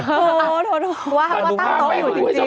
เธอโทรว่าตั้งโต๊ะอยู่จริง